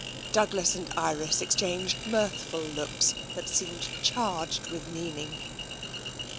Douglas and Iris exchanged mirthful looks that seemed charged with meaning.